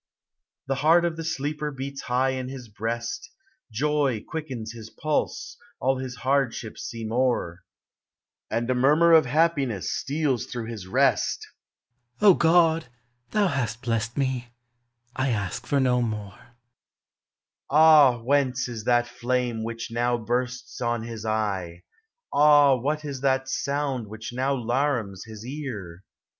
The heart of the sleeper beats high in his breast : Joy quickens his pulse, all his hardships seem o'er ; And a murmur of happiness steals through his rest, —"() <iod! thou hast blest me, — I ask for no more." Ah ! whence is that flame which now bursts on his eye? Ah ! what is that sound which now T larums his ear? 440 POEMS OF NATURE.